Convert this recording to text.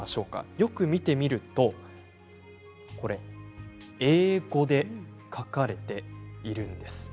よく見てみると英語で書かれているんです。